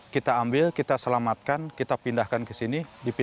kita ambil kita selamatkan kita pindahkan ke sini